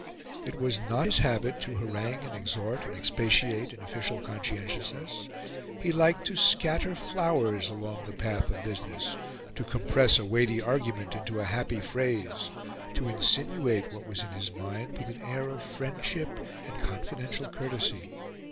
It was not his habit to harangue and exhort and expatiate in official conscientiousness; he liked to scatter flowers along the path of business, to compress a weighty argument into a happy phrase, to insinuate what was in his mind with an air of friendship and confidential courtesy.